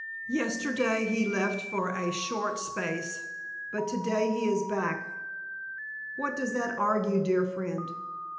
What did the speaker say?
Yesterday he left for a short space, but to day he is back. What does that argue, dear friend?